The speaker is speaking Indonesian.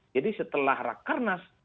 jadi setelah rakernas